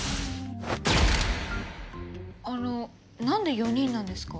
あのなんで４人なんですか？